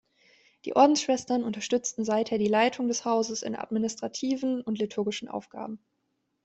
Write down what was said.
Die Ordensschwestern unterstützten seither die Leitung des Hauses in administrativen und liturgischen Aufgaben.